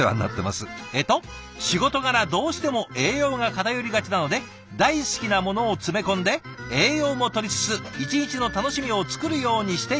えっと「仕事柄どうしても栄養が偏りがちなので大好きなものを詰め込んで栄養もとりつつ一日の楽しみを作るようにしています！」。